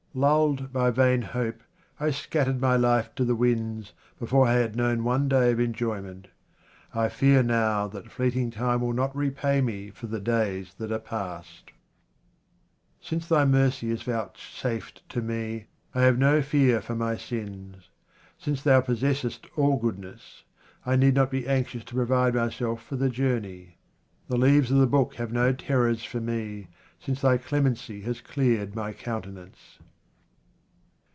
Lulled by vain hope, I scattered my life to the winds before I had known one day of enjoyment. I fear now that fleeting time will not repay me for the days that are past. 56 QUATRAINS OF OMAR KHAYYAM Since Thy mercy is vouchsafed to me, I have no fear for my sins ; since Thou possesses! all goodness, 1 need not be anxious to provide myself for the journey. The leaves of the book have no terrors for me, since Thy clemency has cleared my countenance.